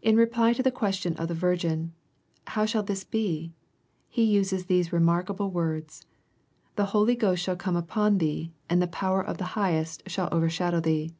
In reply to the question of the Tirgin. "How shall this be?" he uses these re markable words : "The Holy Ghost shall come upon thee, and the power of the Highest shall overshadow thee."